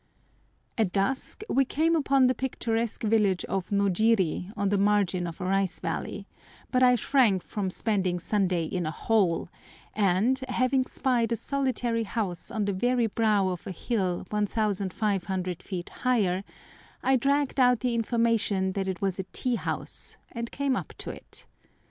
At dusk we came upon the picturesque village of Nojiri, on the margin of a rice valley, but I shrank from spending Sunday in a hole, and, having spied a solitary house on the very brow of a hill 1500 feet higher, I dragged out the information that it was a tea house, and came up to it.